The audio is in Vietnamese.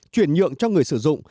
chuyển nhượng cho người sử dụng